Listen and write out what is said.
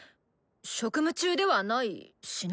職務中ではないしな！